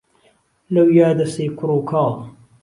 لەویا دەسەی کوڕ و کاڵ